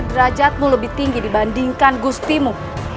derajatmu lebih tinggi dibandingkan gustimu